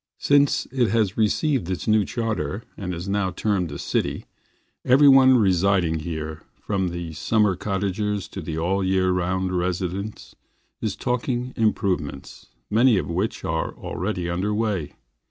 Since it has received its new charter and is now termed a city every one residing here, from the Summer cottagers to the all year round residents, is talking improvements, many of which are already under way.